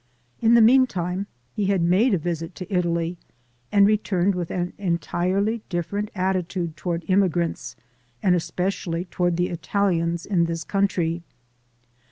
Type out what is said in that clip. In the meantime he had made a visit to Italy and returned with an entirely different attitude toward immigrants, and especially toward the Italians in this country.